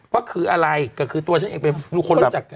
ว่าคืออะไรก็คือตัวฉันเองเป็นคนรู้จักกัน